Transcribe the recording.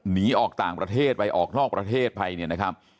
หนีออกต่างประเทศไปออกนอกประเทศไปเนี่ยนะครับ